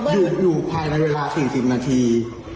อยู่ภายในเวลา๔๐นาที